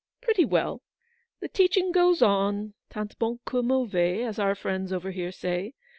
Pretty well ; the teaching goes on tant bon que mauvais, as our friends over here say.